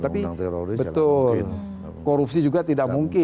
tapi betul korupsi juga tidak mungkin